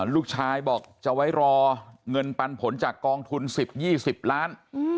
ลูกชายบอกจะไว้รอเงินปันผลจากกองทุน๑๐๒๐ล้าน